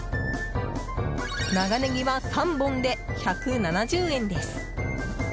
長ネギは３本で１７０円です。